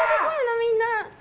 みんな。